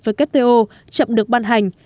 với kto chậm được ban hành